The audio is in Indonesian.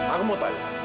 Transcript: aku mau tanya